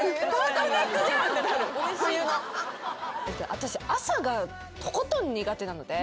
私朝がとことん苦手なので。